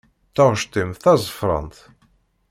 Taɣect-im d tazefrant.